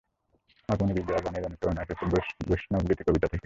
আগমনী-বিজয়া গানের অনুপ্রেরণা এসেছে বৈষ্ণব গীতিকবিতা থেকে।